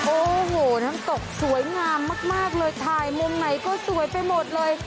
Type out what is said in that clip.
โอ้โหน้ำตกสวยงามมากเลยถ่ายมุมไหนก็สวยไปหมดเลย